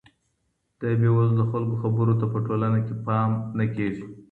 د بې وزلو خلګو خبرو ته په ټولنه کي پام نه کیږي.